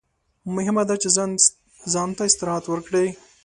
مهمه ده چې ځان ته استراحت ورکړئ.